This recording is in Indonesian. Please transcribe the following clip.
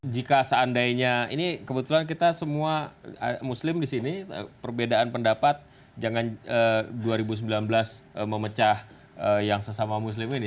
jika seandainya ini kebetulan kita semua muslim di sini perbedaan pendapat jangan dua ribu sembilan belas memecah yang sesama muslim ini